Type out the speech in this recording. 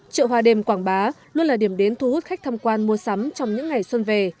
chợ hoa đêm quảng bá luôn là điểm đến thu hút khách tham quan mua sắm trong những ngày xuân về